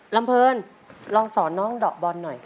ลำเพลินลองสอนน้องดอกบอลหน่อย